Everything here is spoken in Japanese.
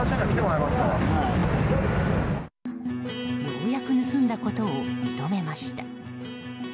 ようやく盗んだことを認めました。